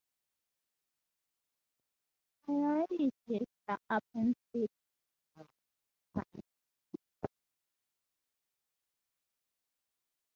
The road is used for open speed highway races twice a year.